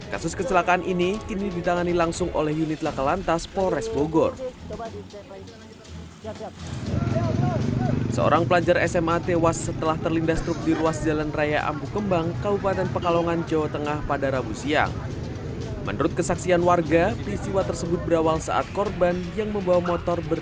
kasus kecelakaan ini kini ditangani langsung oleh unit lakalantas polres bogor